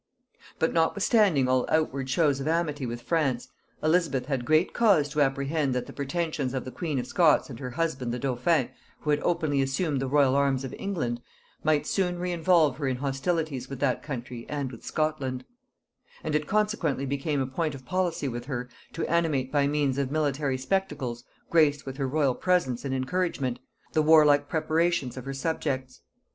But notwithstanding all outward shows of amity with France, Elizabeth had great cause to apprehend that the pretensions of the queen of Scots and her husband the dauphin, who had openly assumed the royal arms of England, might soon reinvolve her in hostilities with that country and with Scotland; and it consequently became a point of policy with her to animate by means of military spectacles, graced with her royal presence and encouragement, the warlike preparations of her subjects.